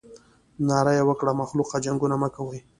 ناره یې وکړه مخلوقه جنګونه مه کوئ.